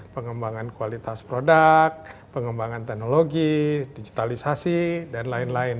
pengembangan kualitas produk pengembangan teknologi digitalisasi dan lain lain